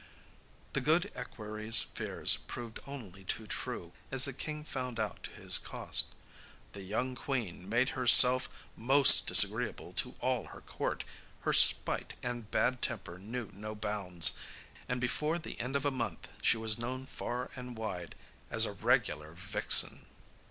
The good equerry's fears proved only too true, as the king found out to his cost. The young queen made her self most disagreeable to all her court, her spite and bad temper knew no bounds, and before the end of a month she was known far and wide as a regular vixen.